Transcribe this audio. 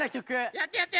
やってやって。